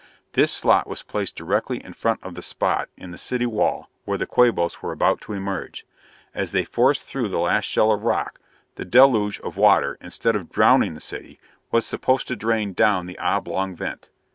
This slot was placed directly in front of the spot in the city wall where the Quabos were about to emerge. As they forced through the last shell of rock, the deluge of water, instead of drowning the city, was supposed to drain down the oblong vent.